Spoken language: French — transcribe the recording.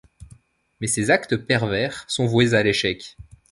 Mais ces actes pervers sont voués à l'échec.